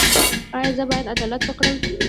ایا زه باید عدالت وکړم؟